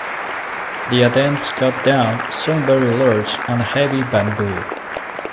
The adepts cut down some very large and heavy bamboo.